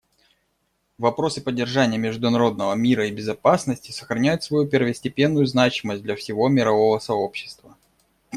Вопросы поддержания международного мира и безопасности сохраняют свою первостепенную значимость для всего мирового сообщества.